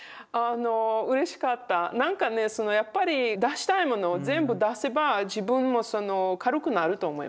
なんかねそのやっぱり出したいものを全部出せば自分も軽くなると思います。